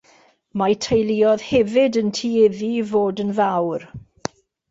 Mae teuluoedd hefyd yn tueddu i fod yn fawr.